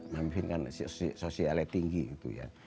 mami fien kan sosialnya tinggi gitu ya